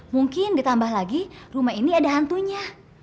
mungkin ditambah lagi rumah ini ada hantunya